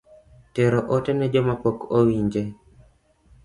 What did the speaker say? Tero ote ne jomapok owinje